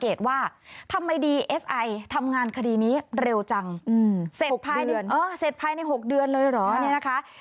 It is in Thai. เออเสร็จภายใน๖เดือนเลยเหรอนี่นะคะ